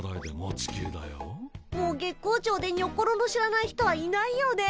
もう月光町でにょころの知らない人はいないよね。